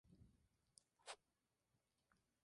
La areolas son circulares con gloquidios color pardo.